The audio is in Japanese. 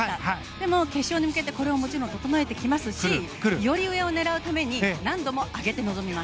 でも、決勝に向けてもちろん、整えてきますしより上を狙うために難度も上げて臨みます。